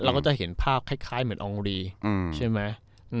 เราก็จะเห็นภาพคล้ายเหมือนอองรีใช่ไหม